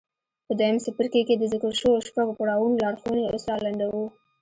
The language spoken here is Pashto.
په دويم څپرکي کې د ذکر شويو شپږو پړاوونو لارښوونې اوس را لنډوو.